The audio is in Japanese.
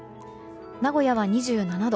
名古屋は２７度。